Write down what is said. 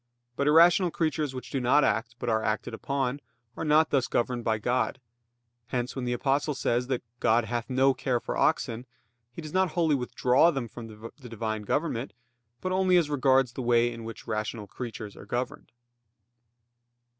But irrational creatures which do not act but are acted upon, are not thus governed by God. Hence, when the Apostle says that "God hath no care for oxen," he does not wholly withdraw them from the Divine government, but only as regards the way in which rational creatures are governed.